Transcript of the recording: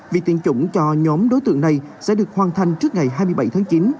việc tiêm chủng cho nhóm đối tượng này sẽ được hoàn thành trước ngày hai mươi bảy tháng chín